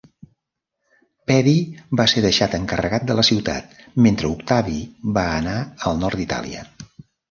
Pedi va ser deixat encarregat de la ciutat mentre Octavi va anar al nord d'Itàlia.